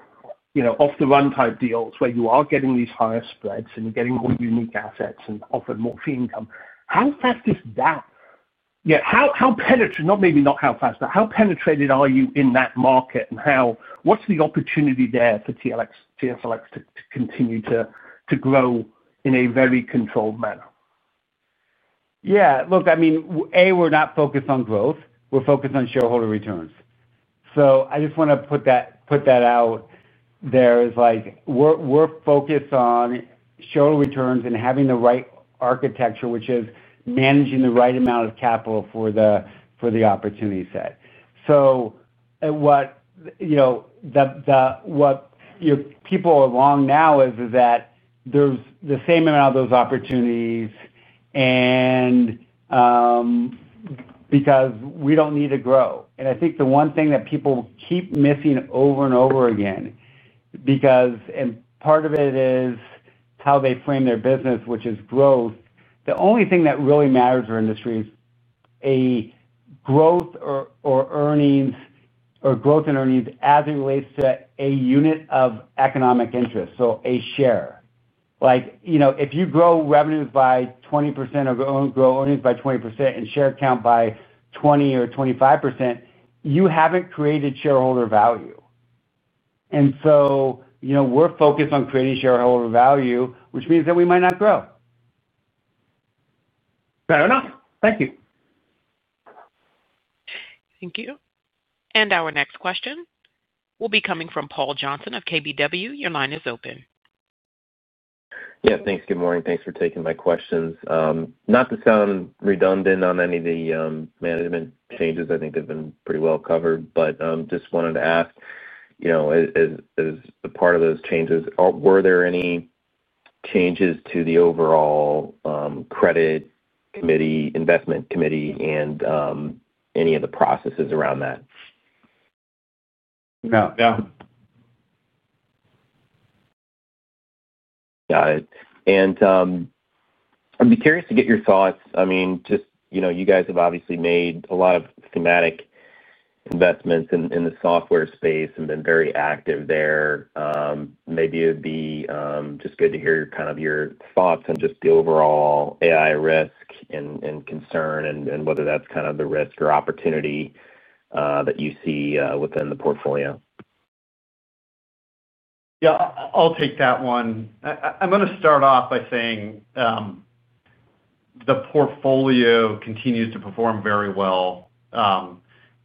off-the-run type deals where you are getting these higher spreads and you're getting more unique assets and often more fee income, how fast is that? Yeah. Maybe not how fast, but how penetrated are you in that market? And what's the opportunity there for TSLX to continue to grow in a very controlled manner? Yeah. Look, I mean, A, we're not focused on growth. We're focused on shareholder returns. So I just want to put that out. There is like. We're focused on shareholder returns and having the right architecture, which is managing the right amount of capital for the opportunity set. What people are long now is that there's the same amount of those opportunities. Because we don't need to grow. I think the one thing that people keep missing over and over again, and part of it is how they frame their business, which is growth, the only thing that really matters for industry is a growth or earnings as it relates to a unit of economic interest, so a share. If you grow revenues by 20% or grow earnings by 20% and share count by 20 or 25%, you haven't created shareholder value. And so. We're focused on creating shareholder value, which means that we might not grow. Fair enough. Thank you. Thank you. Our next question will be coming from Paul Johnson of KBW. Your line is open. Yeah. Thanks. Good morning. Thanks for taking my questions. Not to sound redundant on any of the management changes, I think they've been pretty well covered, but just wanted to ask. As a part of those changes, were there any changes to the overall credit committee, investment committee, and any of the processes around that? No. Got it. I’d be curious to get your thoughts. I mean, just you guys have obviously made a lot of thematic investments in the software space and been very active there. Maybe it’d be just good to hear kind of your thoughts. Just the overall AI risk and concern and whether that’s kind of the risk or opportunity that you see within the portfolio. Yeah. I'll take that one. I'm going to start off by saying the portfolio continues to perform very well.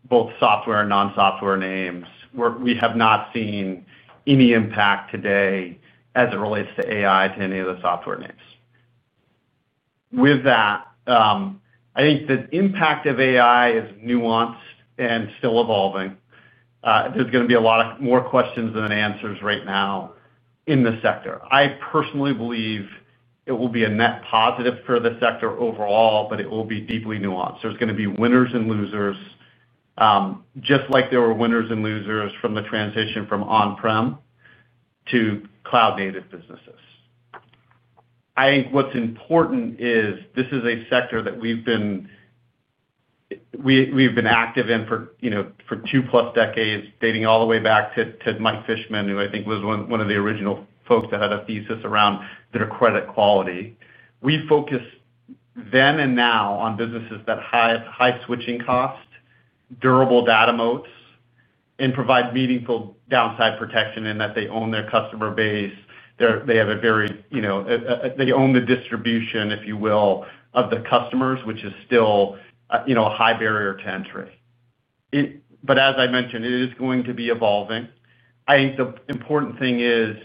Both software and non-software names. We have not seen any impact today as it relates to AI to any of the software names. With that, I think the impact of AI is nuanced and still evolving. There's going to be a lot more questions than answers right now in the sector. I personally believe it will be a net positive for the sector overall, but it will be deeply nuanced. There's going to be winners and losers, just like there were winners and losers from the transition from on-prem to cloud-native businesses. I think what's important is this is a sector that we've been. Active in for 2+ decades, dating all the way back to Mike Fishman, who I think was one of the original folks that had a thesis around their credit quality. We focused then and now on businesses that have high switching costs, durable data motes, and provide meaningful downside protection in that they own their customer base. They have a very—they own the distribution, if you will, of the customers, which is still a high barrier to entry. As I mentioned, it is going to be evolving. I think the important thing is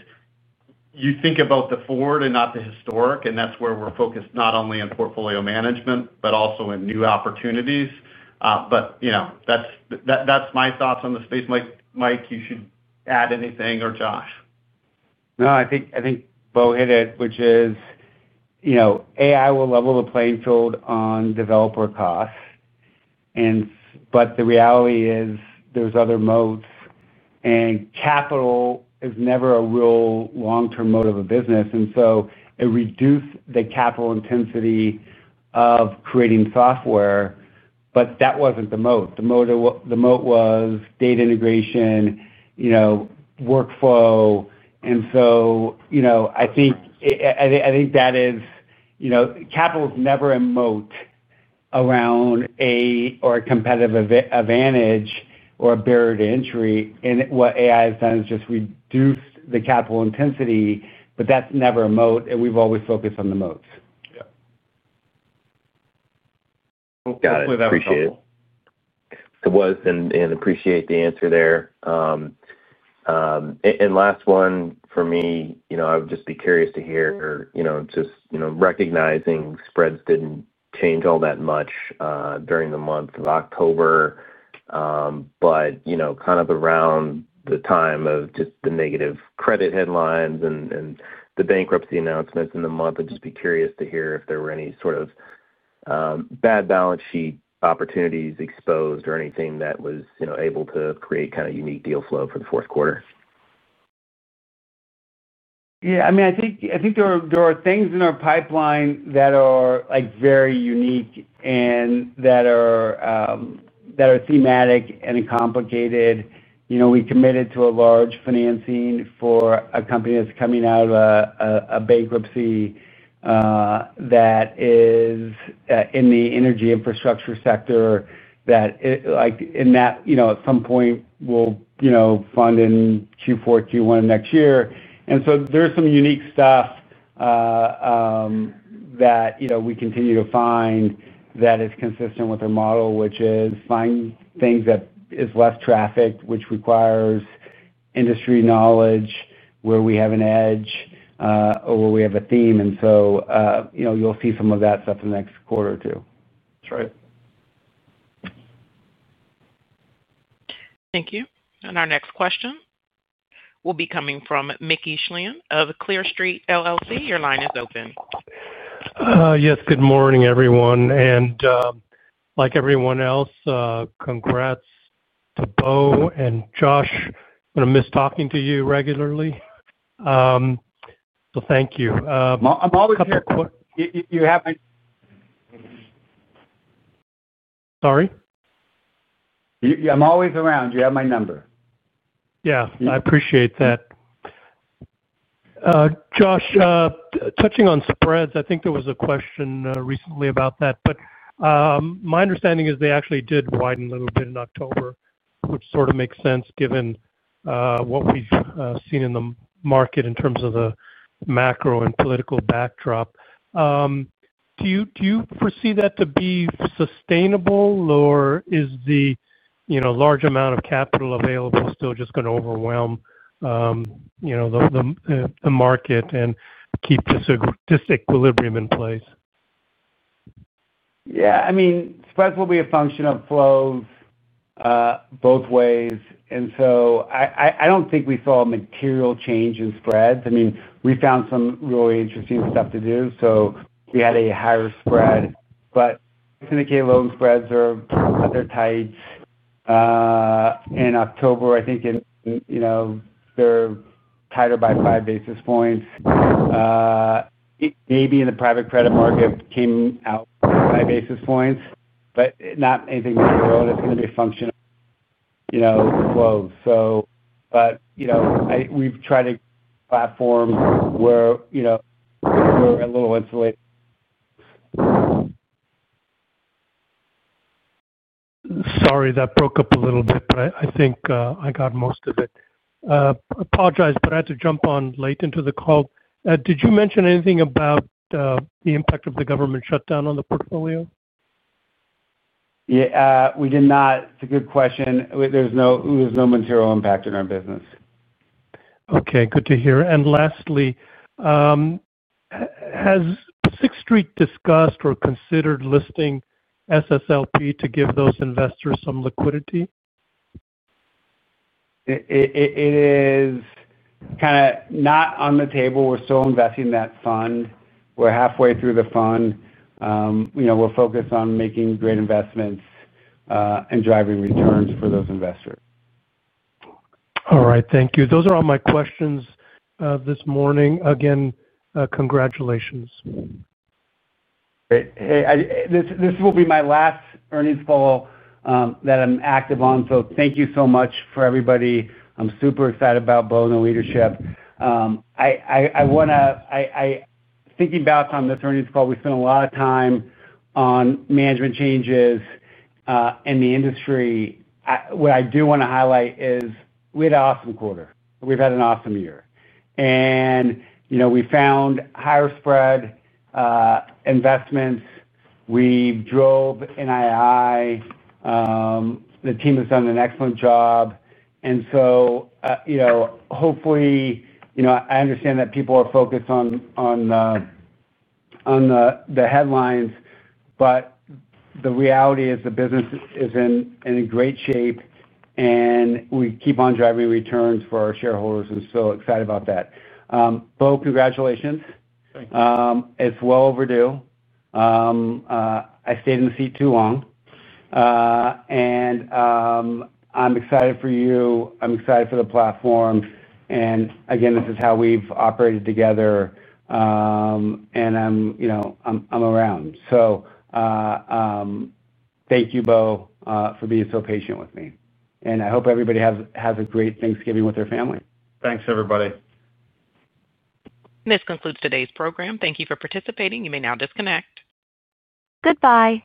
you think about the forward and not the historic, and that's where we're focused not only on portfolio management, but also in new opportunities. That's my thoughts on the space. Mike, you should add anything, or Josh? No, I think Bo hit it, which is. AI will level the playing field on developer costs. The reality is there's other motes. Capital is never a real long-term mote of a business. It reduced the capital intensity of creating software, but that was not the mote. The mote was data integration. Workflow. I think that is. Capital is never a mote around a competitive advantage or a barrier to entry. What AI has done is just reduced the capital intensity, but that is never a mote, and we have always focused on the motes. Got it. Appreciate it. It was, and appreciate the answer there. Last one for me, I would just be curious to hear. Just recognizing spreads did not change all that much during the month of October, but kind of around the time of just the negative credit headlines and the bankruptcy announcements in the month. I would just be curious to hear if there were any sort of bad balance sheet opportunities exposed or anything that was able to create kind of unique deal flow for the fourth quarter. Yeah. I mean, I think there are things in our pipeline that are very unique and that are thematic and complicated. We committed to a large financing for a company that's coming out of a bankruptcy. That is in the energy infrastructure sector that at some point will fund in Q4, Q1 of next year. And so there's some unique stuff that we continue to find that is consistent with our model, which is find things that are less trafficked, which requires industry knowledge where we have an edge or where we have a theme. And so you'll see some of that stuff in the next quarter or two. That's right. Thank you. Our next question will be coming from Mickey Schleien of Clear Street LLC. Your line is open. Yes. Good morning, everyone. Like everyone else, congrats to Bo and Josh. I'm going to miss talking to you regularly. Thank you. I'm always here. You have my— Sorry? Yeah. I'm always around. You have my number. Yeah. I appreciate that. Josh, touching on spreads, I think there was a question recently about that. My understanding is they actually did widen a little bit in October, which sort of makes sense given what we've seen in the market in terms of the macro and political backdrop. Do you foresee that to be sustainable, or is the large amount of capital available still just going to overwhelm the market and keep this equilibrium in place? Yeah. I mean, spreads will be a function of flows. Both ways. I do not think we saw a material change in spreads. I mean, we found some really interesting stuff to do, so we had a higher spread. But syndicate loan spreads are other tights. In October, I think. They are tighter by five basis points. Maybe in the private credit market came out by five basis points, but not anything material. It is going to be a function of flows. We have tried to platform where we are a little insulated. Sorry, that broke up a little bit, but I think I got most of it. I apologize, but I had to jump on late into the call. Did you mention anything about the impact of the government shutdown on the portfolio? Yeah. We did not. It's a good question. There's no material impact in our business. Okay. Good to hear. Lastly, has Sixth Street discussed or considered listing SSLP to give those investors some liquidity? It is kind of not on the table. We're still investing that fund. We're halfway through the fund. We're focused on making great investments. Driving returns for those investors. All right. Thank you. Those are all my questions this morning. Again, congratulations. Great. Hey, this will be my last earnings call that I'm active on. Thank you so much for everybody. I'm super excited about Bo and the leadership. Thinking back on this earnings call, we spent a lot of time on management changes in the industry. What I do want to highlight is we had an awesome quarter. We've had an awesome year. We found higher spread investments. We drove NII. The team has done an excellent job. Hopefully, I understand that people are focused on the headlines, but the reality is the business is in great shape, and we keep on driving returns for our shareholders and still excited about that. Bo, congratulations. Thank you. It's well overdue. I stayed in the seat too long. I'm excited for you. I'm excited for the platform. This is how we've operated together. I'm around. Thank you, Bo, for being so patient with me. I hope everybody has a great Thanksgiving with their family. Thanks, everybody. This concludes today's program. Thank you for participating. You may now disconnect. Goodbye.